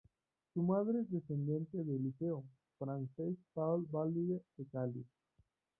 Su madre es docente en el Liceo Frances Paul Valery de Cali.